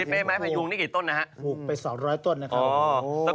เดี๋ยวต้องทำการปลูกเสร็จหน่อยแล้ว